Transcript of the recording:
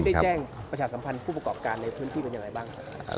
ได้แจ้งประชาสัมพันธ์ผู้ประกอบการในพื้นที่เป็นอย่างไรบ้างครับ